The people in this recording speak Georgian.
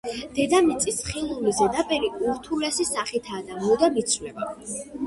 დედამიწის ხილული ზედაპირი ურთულესი სახისაა და მუდამ იცვლება.